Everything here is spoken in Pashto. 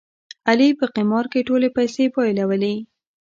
علي په قمار کې ټولې پیسې بایلولې.